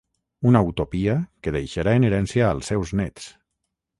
Una utopia que deixarà en herència als seus néts.